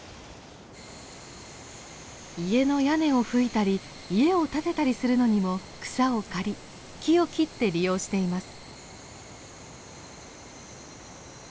家の屋根をふいたり家を建てたりするのにも草を刈り木を切って利用しています。